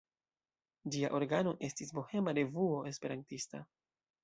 Ĝia organo estis Bohema Revuo Esperantista.